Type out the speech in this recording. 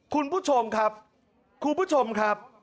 คุณผู้ชมครับคุณผู้ชมครับ